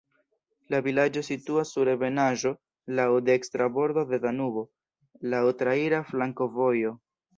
La vilaĝo situas sur ebenaĵo, laŭ dekstra bordo de Danubo, laŭ traira flankovojo.